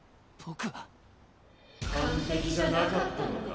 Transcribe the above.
母：完璧じゃなかったのね。